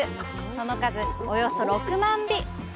その数、およそ６万尾！